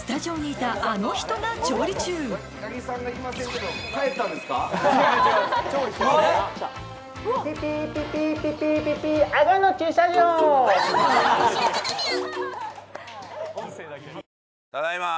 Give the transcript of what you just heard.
ただいま。